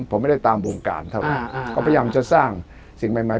ผมไม่ได้ตามวงการเท่าไรอ่าอ่าก็พยายามจะสร้างสิ่งใหม่ใหม่